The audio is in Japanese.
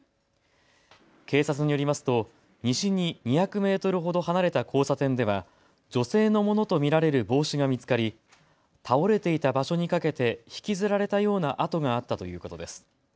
警察によりますと西に２００メートルほど離れた交差点では女性のものと見られる帽子が見つかり、倒れていた場所にかけて引きずられたような跡があったということです。